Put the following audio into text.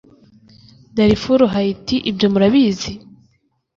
darifuru hayiti ibyo murabizi